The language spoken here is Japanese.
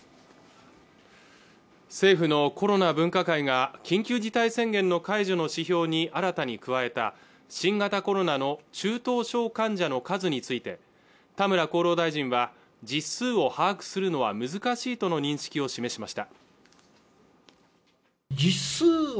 政府のコロナ分科会が緊急事態宣言の解除の指標に新たに加えた新型コロナの中等症患者の数について田村厚労大臣は実数を把握するのは難しいとの認識を示しました